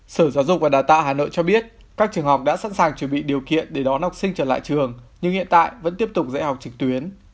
sở giáo dục và đào tạo hà nội cho biết các trường học đã sẵn sàng chuẩn bị điều kiện để đón học sinh trở lại trường nhưng hiện tại vẫn tiếp tục dạy học trực tuyến